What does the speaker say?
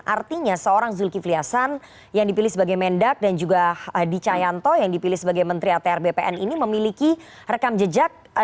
artinya seorang zulkifli hasan yang dipilih sebagai mendak dan juga adi cayanto yang dipilih sebagai menteri atr bpn ini memiliki rekam jejak